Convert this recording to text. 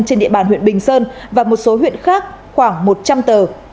trên địa bàn huyện bình sơn và một số huyện khác khoảng một trăm linh tờ